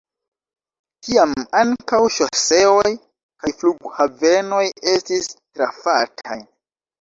Tiam ankaŭ ŝoseoj kaj flughavenoj estis trafataj.